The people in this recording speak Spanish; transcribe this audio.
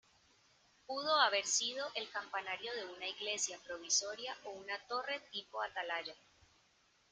Pudo haber sido el campanario de una iglesia provisoria o una torre tipo atalaya.